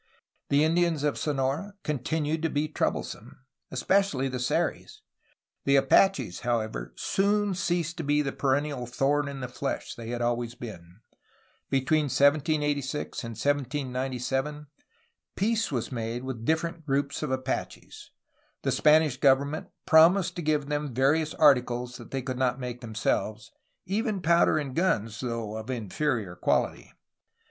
The Indians of Sonora continued to be troublesome, especially the Seris. The Apaches, however, soon ceased to be the perennial thorn in the flesh they had always been. Between 1786 and 1797 peace was made with different groups of Apaches. The Spanish government promised to give them various articles they could not make themselves, — even powder and guns, though of inferior quality.